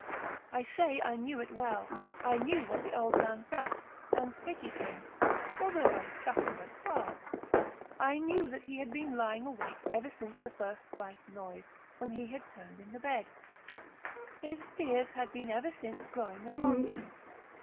I say I knew it well. I knew what the old man felt, and pitied him, although I chuckled at heart. I knew that he had been lying awake ever since the first slight noise, when he had turned in the bed. His fears had been ever since growing upon him.